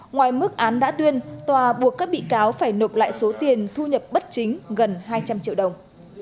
ngoài mức án đã tuyên tòa buộc các bị cáo phải nộp lại số tiền thu nhập bất chính gần hai trăm linh triệu đồng